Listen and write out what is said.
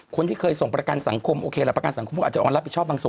คนที่เคยส่งประกันสังคมโอเคละประกันสังคมก็อาจจะออนรับผิดชอบบางส่วน